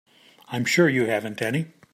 I'm sure you haven't any.